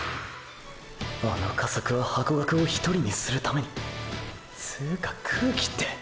あの加速はハコガクを“１人”にするために⁉つうか空気て！！